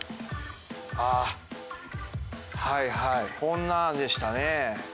ああはいはいこんなでしたね。